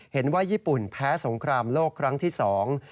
เห็นว่าญี่ปุ่นแพ้สงครามโลกครั้งที่สอง